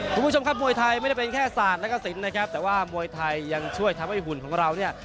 คุณผู้ชมครับมวยไทยไม่ได้เป็นแค่ศาสตร์และกระสินนะครับแต่ว่ามวยไทยยังช่วยทำให้หุ่นของเราเนี่ย